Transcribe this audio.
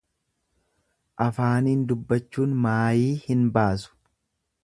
Afaaniin dubbachuun maayii hin baasu.